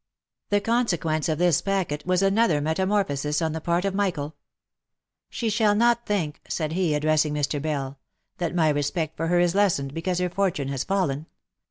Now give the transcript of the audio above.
The consequence of this packet was another metamorphosis on the part of Michael, " She shall not think," said he, addressing Mr. Bell, "that my respect for her is lessened because her fortune has fallen.